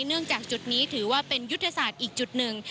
เนื่องจากจุดนี้ถือว่าเป็นยุทธศาสตร์อีกจุดหนึ่ง